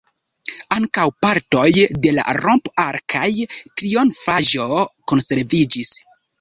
Ankaŭ partoj de la romp-arkaj trionfaĵo konserviĝis.